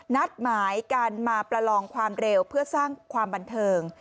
นัดหมายการมาประลองความเร็วเพื่อสร้างความบันเทิง